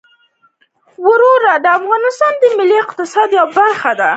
واوره د افغانستان د ملي اقتصاد یوه برخه ده.